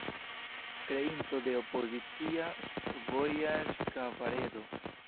Kreinto de opozicia vojaĝ-kabaredo.